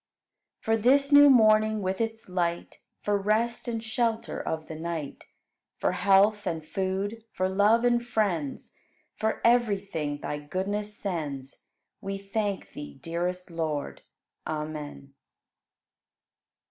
8. For this new morning with its light, For rest and shelter of the night, For health and food, for love and friends. For everything Thy goodness sends, We thank Thee, dearest Lord. Amen.